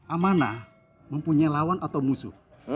amanah mempunyai lawan atau musuh